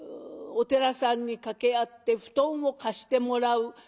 お寺さんに掛け合って布団を貸してもらう。